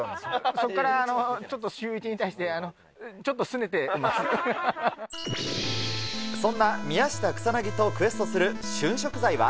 そこからちょっとシューイチそんな宮下草薙とクエストする旬食材は。